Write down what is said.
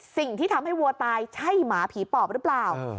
สิ่งที่ทำให้วัวตายใช่หมาผีปอบหรือเปล่า